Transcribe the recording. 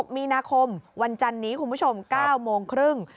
มีนาคมวันจันนี้คุณผู้ชม๙โมงครึ่ง